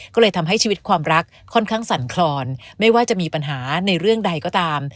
ก็เลยทำให้ชีวิตความรักค่อนข้างสั่นคลอนไม่ว่าจะมีปัญหาในเรื่องใดก็ตาม